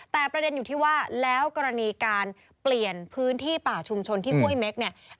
แต่ประเด็นอยู่ที่ว่าแล้วกรณีการเปลี่ยนพื้นที่ป่าชุมชนที่ห้วยเม็กเนี่ย